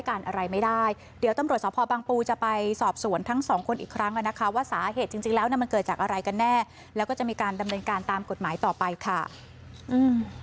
ก็แท้งกันแท้งกันเจ็บทั้งคู่